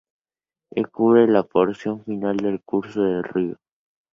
Y cubre la porción final del curso del río.